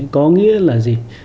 có nghĩa là gì